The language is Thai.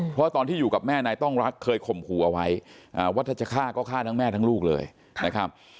เพราะตอนที่อยู่กับแม่นายต้องรักเคยข่มขู่เอาไว้ว่าถ้าจะฆ่าก็ฆ่าทั้งแม่ทั้งลูกเลยนะครับ